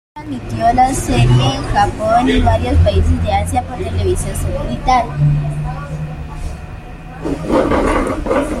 Animax transmitió la serie en Japón y varios países de Asia por televisión satelital.